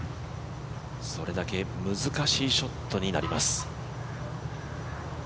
それだけ難しいショットになります。